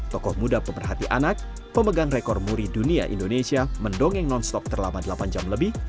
tokoh muda pemerhati anak pemegang rekor muri dunia indonesia mendongeng non stop terlama delapan jam lebih